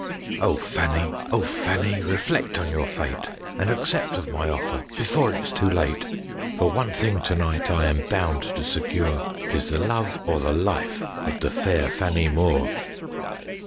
"O Fannie, O Fannie, Reflect on your fate And accept of my offer Before it's too late; For one thing to night I am bound to secure, 'Tis the love or the life Of the fair Fannie Moore."